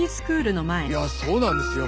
いやそうなんですよ。